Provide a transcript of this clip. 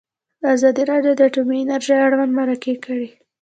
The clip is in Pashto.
ازادي راډیو د اټومي انرژي اړوند مرکې کړي.